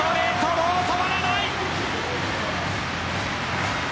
もう止まらない。